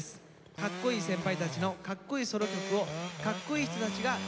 かっこいい先輩たちのかっこいいソロ曲をかっこいい人たちが歌います。